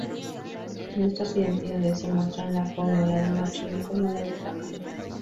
Con estas identidades, se muestra la fórmula de Machin como la de Takano;